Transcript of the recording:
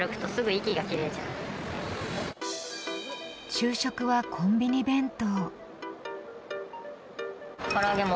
昼食はコンビニ弁当。